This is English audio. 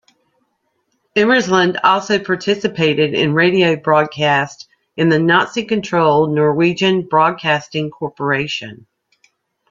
Imerslund also participated in radio broadcasts in the Nazi-controlled Norwegian Broadcasting Corporation.